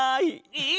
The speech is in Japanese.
え！